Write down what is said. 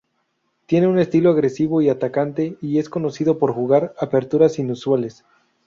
Tiene un estilo agresivo y atacante y es conocido por jugar aperturas inusuales.